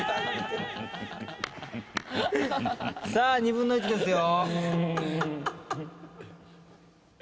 さぁ２分の１ですよ。